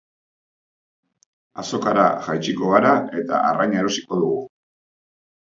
Azokara jaitsiko gara eta arraina erosiko dugu.